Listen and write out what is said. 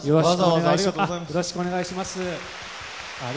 よろしくお願いします。